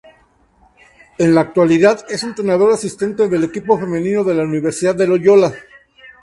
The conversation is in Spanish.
En la actualidad es entrenador asistente del equipo femenino de la Universidad de Loyola.